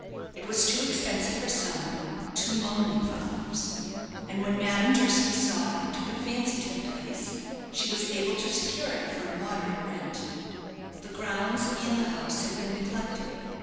It was too expensive for some, too lonely for others; and when Madame Durski saw and took a fancy to the place, she was able to secure it for a moderate rent. The grounds and the house had been neglected.